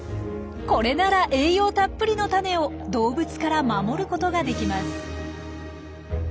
これなら栄養たっぷりのタネを動物から守ることができます。